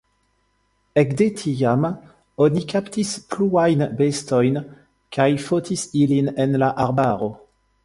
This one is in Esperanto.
Ekde tiam oni kaptis pluajn bestojn kaj fotis ilin en la arbaro.